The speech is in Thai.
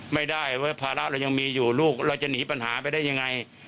ไม่ได้ว่าภาระเรายังมีอยู่ลูกเราจะหนีปัญหาไปได้ยังไง